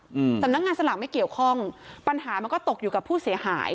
อืมสำนักงานสลากไม่เกี่ยวข้องปัญหามันก็ตกอยู่กับผู้เสียหาย